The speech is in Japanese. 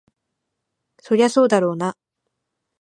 そりゃそうだろうな。